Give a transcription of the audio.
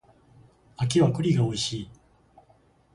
秋は栗が美味しい